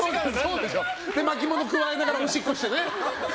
巻物加えながらおしっこしてね。